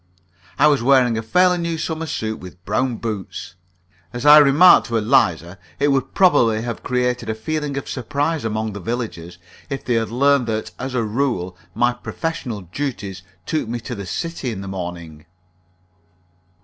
I was wearing a fairly new summer suit, with brown boots. As I remarked to Eliza, it would probably have created a feeling of surprise among the villagers if they had learned that, as a rule, my professional duties took me to the city in the morning.